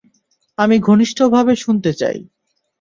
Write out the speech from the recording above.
আমি ঘনিষ্ঠভাবে শুনতে চাই।